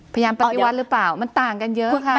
ปฏิวัติหรือเปล่ามันต่างกันเยอะค่ะ